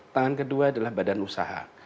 tangan kedua adalah badan usaha